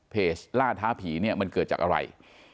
ล่าท้าผีเนี่ยมันเกิดจากอะไร